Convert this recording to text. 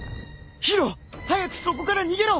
宙早くそこから逃げろ！